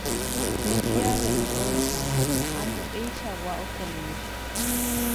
Hei avei oĩha ambueichagua ostomía.